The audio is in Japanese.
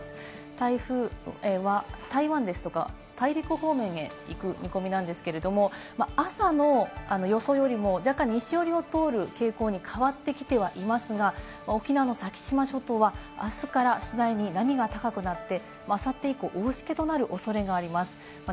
台風は台湾ですとか、大陸方面へ行く見込みなんですけれども、朝の予想よりも若干、西寄りを通る傾向に変わってきてはいますが、沖縄の先島諸島は、あすから次第に波が高くなって、あさって以降、大しけとなる恐れがあります。